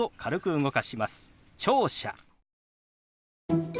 「聴者」。